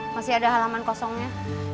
masih ada halaman kosongnya